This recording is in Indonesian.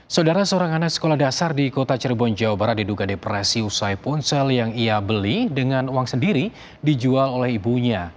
saudara seorang anak sekolah dasar di kota cirebon jawa barat diduga depresi usai ponsel yang ia beli dengan uang sendiri dijual oleh ibunya